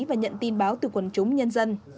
và nhận tin báo từ quần chúng nhân dân